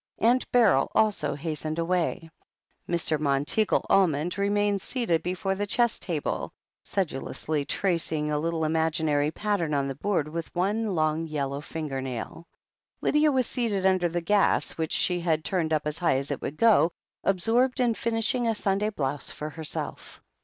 Aunt Beryl also had hastened away. Mr. Monteagle Almond remained seated before the chess table, sedulously tracing a little imaginary pat tern on the board with one long yellow forefinger. Lydia was seated under the gas, which she had go THE HEEL OF ACHILLES turned up as high as it would go, absorbed in finishing a Sunday blouse for herself.